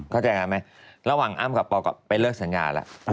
เข้าใจกันไหมระหว่างอ้ำกับปอก็ไปเลิกสัญญาแล้ว